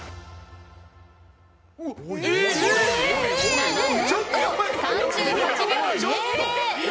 な、な、何と、３８秒００。